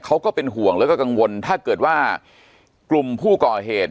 ก็เป็นห่วงแล้วก็กังวลถ้าเกิดว่ากลุ่มผู้ก่อเหตุ